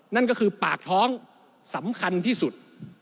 นั่นก็คือปากท้องสำคัญที่สุด